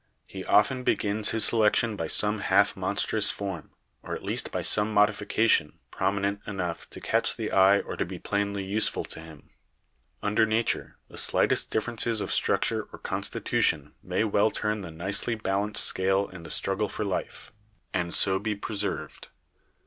He often begins his selection by some half monstrous form; or at least by some modification, prominent enough to catch the eye or to be plainly useful to him. Under nature, the slightest differences of struc ture or constitution may well turn the nicely balanced scale in the struggle for life, and so be preserved.